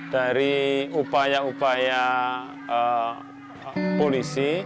dari upaya upaya polisi